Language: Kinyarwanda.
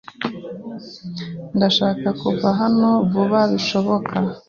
Ndashaka kuva hano vuba bishoboka.